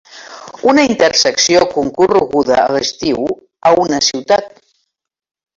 Una intersecció concorreguda a l'estiu a una ciutat.